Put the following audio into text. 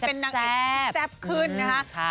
เป็นนางเอกแซ่บขึ้นนะครับ